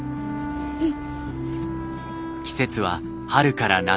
うん。